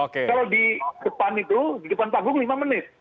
kalau di depan itu di depan panggung lima menit